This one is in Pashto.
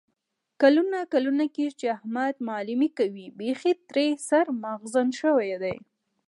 کلونه کېږي چې احمد معلیمي کوي. بیخي ترې سر مغزن شوی دی.